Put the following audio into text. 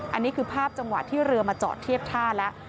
อันนี้คือภาพจังหวะที่เรือมาจอดเทียบท่าแล้ว